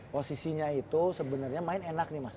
posisinya itu sebenarnya main enak nih mas